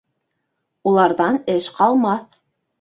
Уларҙан эш ҡалмаҫ.